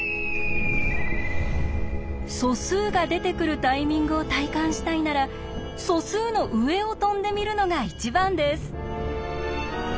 素数が出てくるタイミングを体感したいなら素数の上を飛んでみるのが一番です。